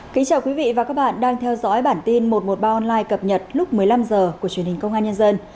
kính chào quý vị và các bạn đang theo dõi bản tin một trăm một mươi ba online cập nhật lúc một mươi năm h của truyền hình công an nhân dân